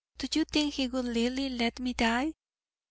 do you think He would leally let me die?'